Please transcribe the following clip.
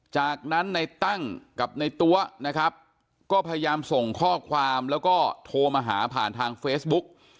จากนั้นในตั้งกับในตัวนะครับก็พยายามส่งข้อความแล้วก็โทรมาหาผ่านทางเฟซบุ๊ก